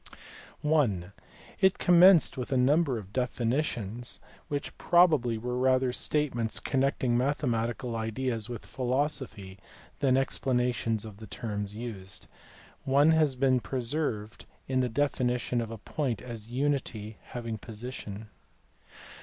(i) It commenced with a number of definitions, which probably were rather statements connecting mathematical ideas with philosophy than explanations of the terms used. One has been preserved in the definition of a point as unity having position.